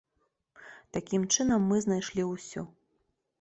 Такім чынам мы знайшлі ўсё.